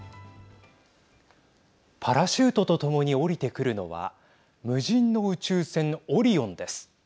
パラシュートと共に降りてくるのは無人の宇宙船オリオンです。